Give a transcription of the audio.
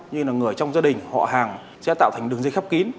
như là người trong gia đình họ hàng sẽ tạo thành đường dây khắp kín